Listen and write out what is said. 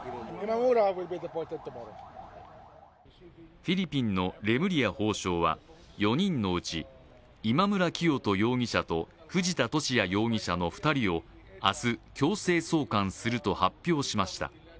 フィリピンのレムリヤ法相は４人のうち今村磨人容疑者と藤田聖也容疑者の２人を明日強制送還すると発表しました。